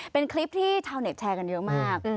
เป็นคลิปที่ชาวเน็ตแชร์กันเยอะมาก